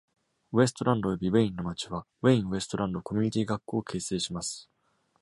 ウエストランドおよびウェインの町はウェインウエストランドコミュニティ学区を形成します。